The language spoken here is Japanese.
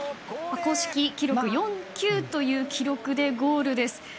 公式記録、４９という記録でゴールです。